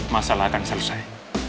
masalah akan selesai